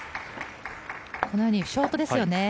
このようにショートですよね。